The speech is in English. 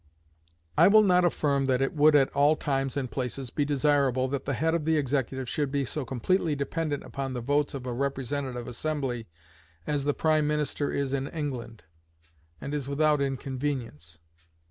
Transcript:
I will not affirm that it would at all times and places be desirable that the head of the executive should be so completely dependent upon the votes of a representative assembly as the prime minister is in England, and is without inconvenience.